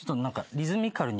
リズミカルに？